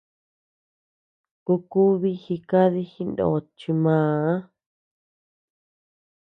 Kukubii jikadi jinót chi màà.